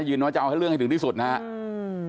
ยืนว่าจะเอาเรื่องให้ถึงที่สุดนะฮะอืม